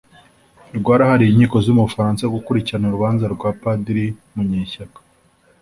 rwarahariye inkiko zo mu Bufaransa gukurikirana urubanza rwa Padiri Munyeshyaka